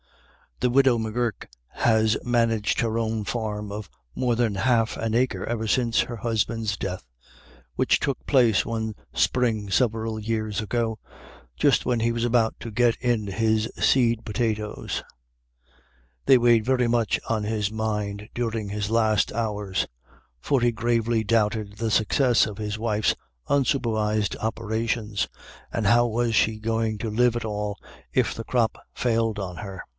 The widow M'Gurk has managed her own farm of more than half an acre ever since her husband's death, which took place one spring several years ago, just when he was about to get in his seed potatoes. They weighed very much on his mind during his last hours, for he gravely doubted the success of his wife's unsupervised operations, and how was she going to live at all if the crop failed on her ?